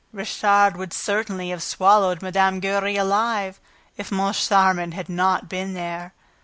Richard would certainly have swallowed Mme. Giry alive, if Moncharmin had not been there!